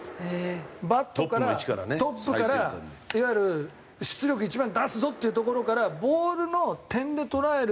バットからトップからいわゆる出力一番出すぞっていうところからボールの点で捉える